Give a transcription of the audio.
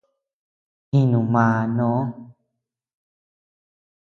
Jinu màà noo.